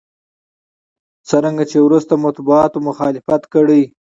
څرنګه چې وروسته مطبوعاتو مخالفت کړی.